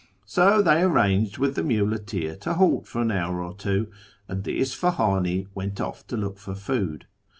So they arranged with |;he muleteer to halt for an hour or two, and the Isfahani went )ff to look for food.